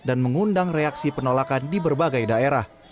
dan mengundang reaksi penolakan di berbagai daerah